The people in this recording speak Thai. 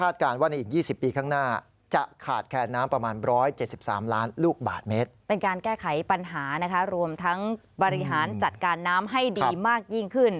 ทั้งบริหารจัดการน้ำให้ดีมากยิ่งขึ้น